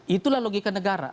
itulah logika negara